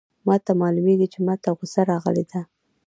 ما ته معلومیږي چي ما ته غوسه راغلې ده.